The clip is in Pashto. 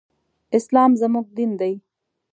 اسلام زموږ دين دی